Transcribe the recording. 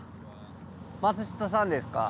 松下さんですか？